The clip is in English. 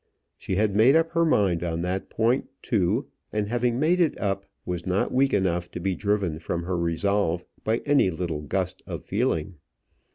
She had made up her mind on that point too, and having made it up was not weak enough to be driven from her resolve by any little gust of feeling.